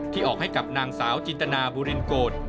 ออกให้กับนางสาวจินตนาบุรินโกรธ